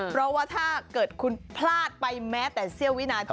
เพราะว่าถ้าเกิดคุณพลาดไปแม้แต่เสี้ยววินาที